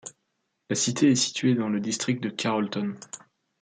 La cité est située dans le district de Carrollton.